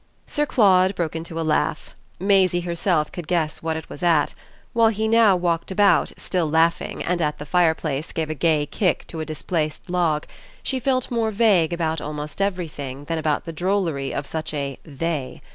Sir Claude broke into a laugh Maisie herself could guess what it was at: while he now walked about, still laughing, and at the fireplace gave a gay kick to a displaced log, she felt more vague about almost everything than about the drollery of such a "they."